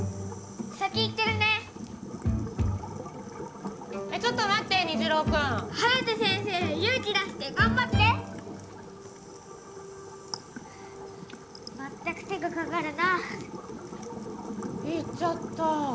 先行ってるねえっちょっと待って虹朗君颯先生勇気出して頑張ってまったく手がかかるなあ行っちゃった